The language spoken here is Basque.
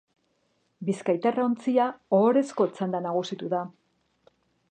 Bizkaitarra ontzia ohorezko txanda nagusitu da.